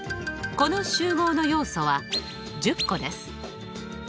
この集合の要素は１０個です。